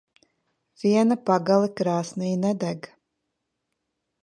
Viena pagale krāsnī nedeg.